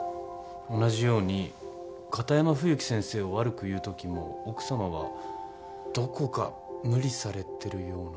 同じように片山冬樹先生を悪く言うときも奥様はどこか無理されてるような。